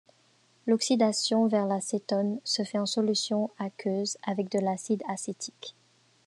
L'oxydation vers la cétone se fait en solution aqueuse avec de l'acide acétique.